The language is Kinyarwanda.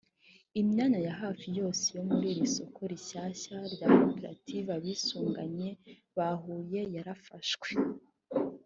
Imyanya hafi ya yose yo muri iri soko rishyashya rya koperative Abisunganye ba Huye yarafashwe